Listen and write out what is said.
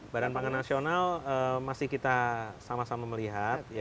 badan pangan nasional masih kita sama sama melihat